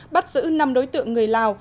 bắt giữ năm đối tượng người lào